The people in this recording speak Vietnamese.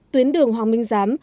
tuyến đường hoàng minh giám